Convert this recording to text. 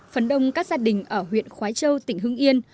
phần đông các gia đình ở huyện khói châu tỉnh hưng yên